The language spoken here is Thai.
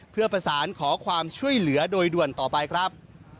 เพื่อประสานขอความช่วยเหลือโดยด่วนต่อไปครับ